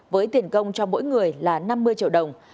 với tiền công cho mỗi người là năm mươi triệu đồng